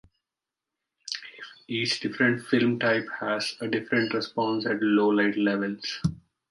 Each different film type has a different response at low light levels.